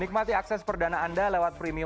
nikmati akses perdana anda lewat premium